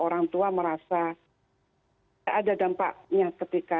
orang tua merasa tidak ada dampaknya ketika